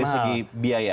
dari segi biaya